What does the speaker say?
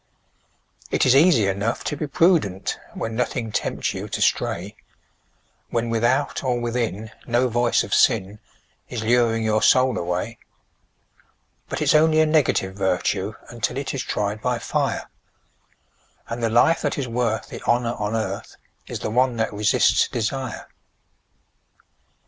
It is easy enough to be prudent When nothing tempts you to stray, When without or within no voice of sin Is luring your soul away; But it's only a negative virtue Until it is tried by fire, And the life that is worth the honour on earth Is the one that resists desire.